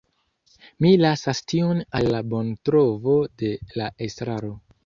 Mi lasas tion al la bontrovo de la estraro.